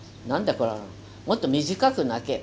これもっと短く泣け。